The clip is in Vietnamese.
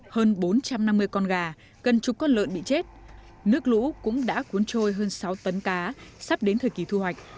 hơn bốn trăm năm mươi con gà gần chục con lợn bị chết nước lũ cũng đã cuốn trôi hơn sáu tấn cá sắp đến thời kỳ thu hoạch